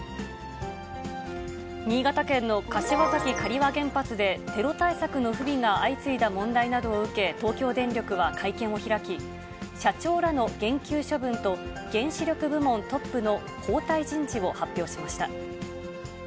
新潟県の柏崎刈羽原発で、テロ対策の不備が相次いだ問題などを受け、東京電力は会見を開き、社長らの減給処分と原子力部門トップの交代人事を発表しました。